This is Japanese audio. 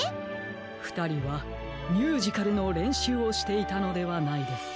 ふたりはミュージカルのれんしゅうをしていたのではないですか？